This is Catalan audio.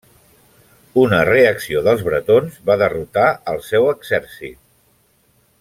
Una reacció dels bretons va derrotar al seu exèrcit.